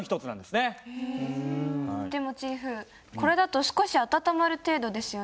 でもチーフこれだと少し温まる程度ですよね。